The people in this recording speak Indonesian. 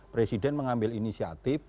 presiden mengambil inisiatif